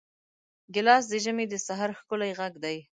ګیلاس د ژمي د سحر ښکلی غږ دی.